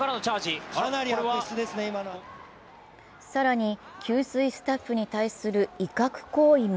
更に給水スタッフに対する威嚇行為も。